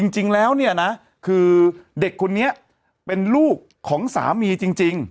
จริงแล้วเนี่ยนะคือเด็กคนนี้เป็นลูกของสามีจริง